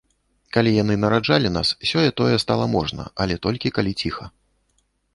Калі яны нараджалі нас, сеё-тое стала можна, але толькі калі ціха.